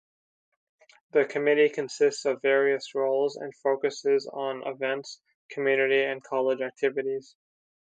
The committee consists of various roles and focuses on events, community and college activities.